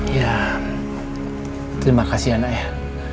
ya terima kasih anak ya